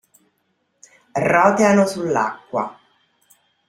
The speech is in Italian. Roteano su l'acqua.